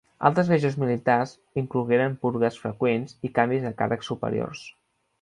Altres greuges militars inclogueren purgues freqüents i canvis dels càrrecs superiors.